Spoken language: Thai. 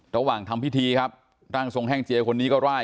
ทำพิธีครับร่างทรงแห้งเจียคนนี้ก็ไล่